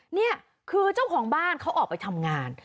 นี่คือเจ้าของบ้านเขาออกไปทำงาน